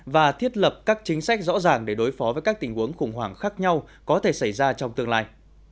và thiết lập các chính sách rõ ràng để đối phó với các tình huống khủng hoảng khác nhau có thể xảy ra trong tương lai